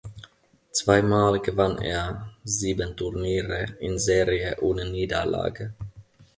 Zweimal gewann er sieben Turniere in Serie ohne Niederlage.